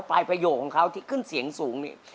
ประโยคของเขาที่ขึ้นเสียงสูงนี่